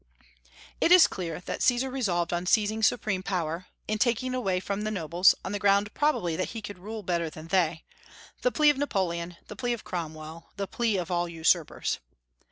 It is clear that Caesar resolved on seizing supreme power, in taking it away from the nobles, on the ground probably that he could rule better than they, the plea of Napoleon, the plea of Cromwell, the plea of all usurpers.